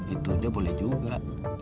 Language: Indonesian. itu aja boleh juga